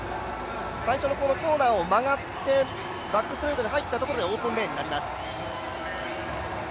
最初のコーナーを曲がって、バックストレートに入ったところでオープンレーンになります。